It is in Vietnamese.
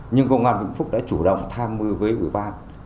nhưng công an vĩnh phúc đã chủ động tham mưu với ủy ban